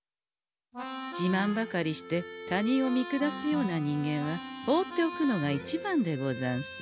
じまんばかりして他人を見下すような人間は放っておくのが一番でござんす。